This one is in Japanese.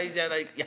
いや